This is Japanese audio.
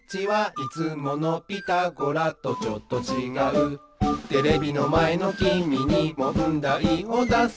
「いつものピタゴラとちょっとちがう」「テレビのまえのきみにもんだいをだすぞ」